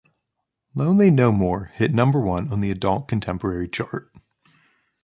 "Lonely No More" hit number one on the Adult Contemporary chart.